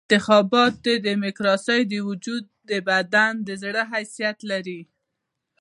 انتخابات د ډیموکراسۍ د وجود او بدن د زړه حیثیت لري.